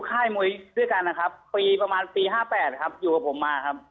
ค่ายมุ้ยเบี้ยวกันนะครับปีประมาณปีห้าแปดครับอยู่กับผมมาครับ